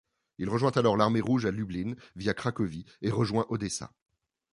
Il rejoint alors l'armée rouge à Lublin via Cracovie et rejoint Odessa.